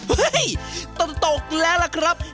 เฮ้ยตั้งแต่ตกแล้วล่ะครับ